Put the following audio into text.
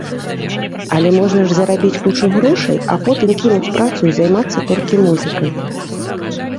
Але можна ж зарабіць кучу грошай, а потым кінуць працу і займацца толькі музыкай.